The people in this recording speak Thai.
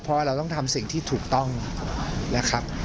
เพราะว่าเราต้องทำสิ่งที่ถูกต้องนะครับ